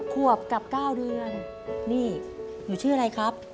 ขวบกับ๙เดือนนี่หนูชื่ออะไรครับ